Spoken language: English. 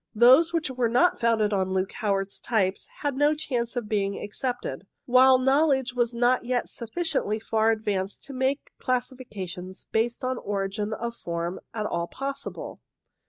Those which were not founded on Luke Howard's types had no chance of being accepted, while knowledge was not yet sufficiently far ad vanced to make classifications based on origin of form at all possible.